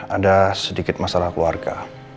ada sedikit masalah keluarga